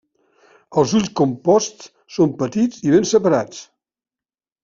Els ulls composts són petits i ben separats.